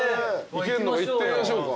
行ってみましょうか。